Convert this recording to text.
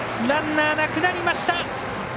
ランナー、なくなりました。